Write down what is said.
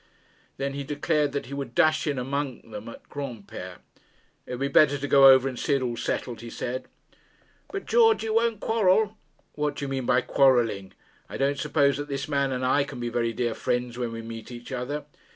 Then he declared that he would dash in among them at Granpere. 'It will be better to go over and see it all settled,' he said. 'But, George, you won't quarrel?' 'What do you mean by quarrelling? I don't suppose that this man and I can be very dear friends when we meet each other.'